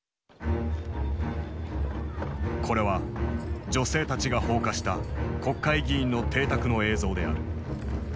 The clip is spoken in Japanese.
これは女性たちが放火した国会議員の邸宅の映像である。